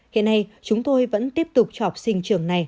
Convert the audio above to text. hiện nay chúng tôi vẫn tiếp tục cho học sinh trường này